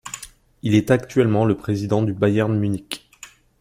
Il est actuellement le président du Bayern Munich.